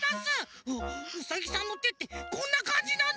ウサギさんのてってこんなかんじなんだ！